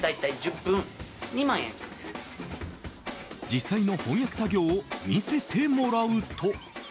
実際の翻訳作業を見せてもらうと。